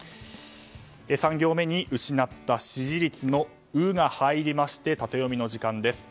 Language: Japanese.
３行目に、失った支持率の「ウ」が入りましてタテヨミの時間です。